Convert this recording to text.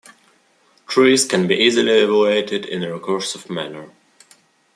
Trees can be easily evaluated in a recursive manner.